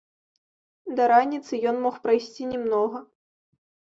Да раніцы ён мог прайсці не многа.